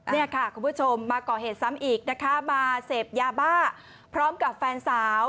เนี่ยค่ะคุณผู้ชมมาก่อเหตุซ้ำอีกนะคะมาเสพยาบ้าพร้อมกับแฟนสาว